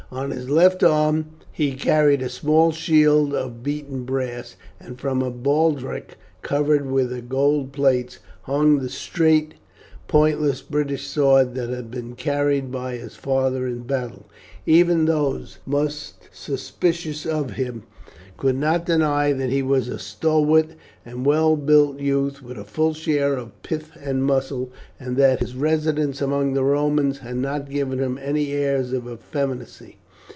On his left arm he carried a small shield of beaten brass, and from a baldric covered with gold plates hung the straight pointless British sword that had been carried by his father in battle. Even those most suspicious of him could not deny that he was a stalwart and well built youth, with a full share of pith and muscle, and that his residence among the Romans had not given him any airs of effeminacy.